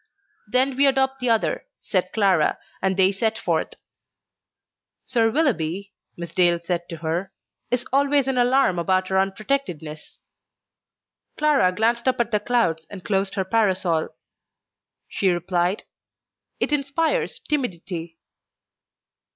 "Then we adopt the other," said Clara, and they set forth. "Sir Willoughby," Miss Dale said to her, "is always in alarm about our unprotectedness." Clara glanced up at the clouds and closed her parasol. She replied, "It inspires timidity."